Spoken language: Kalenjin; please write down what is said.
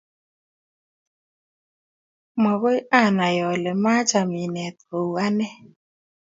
Magoy ayan ale macham inet kou ane